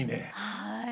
はい。